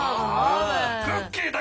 クッキーだ！